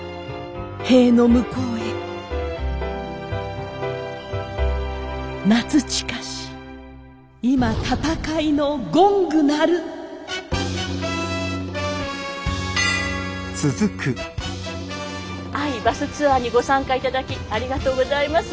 塀の向こうへ愛バスツアーにご参加いただきありがとうございます。